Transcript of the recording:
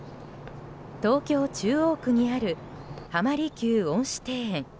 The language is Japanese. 東京・中央区にある浜離宮恩賜庭園。